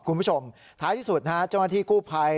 คุณผู้ชมท้ายที่สุดนะฮะเจ้าหน้าที่กู้ภัย